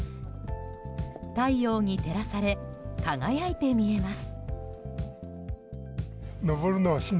太陽に照らされ輝いて見えます。